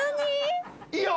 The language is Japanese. いいよ。